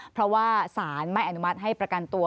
เพราะว่าสารไม่อนุมัติให้ประกันตัว